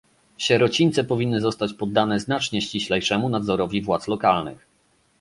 Sierocińce powinny zostać poddane znacznie ściślejszemu nadzorowi władz lokalnych